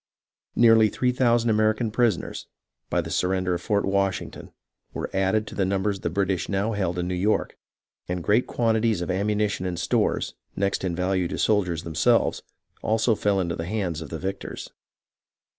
Nearly three thousand American prison ers, by the surrender of Fort Washington, were added to the numbers the British now held in New York, and great quantities of ammunition and stores, next in value to the soldiers themselves, also fell into the hands of the victors.